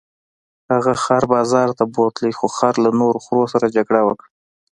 هغه خر بازار ته بوت خو خر له نورو خرو سره جګړه وکړه.